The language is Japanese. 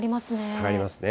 下がりますね。